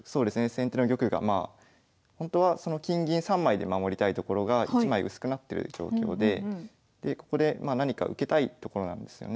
先手の玉がほんとはその金銀３枚で守りたいところが１枚薄くなってる状況でここで何か受けたいところなんですよね。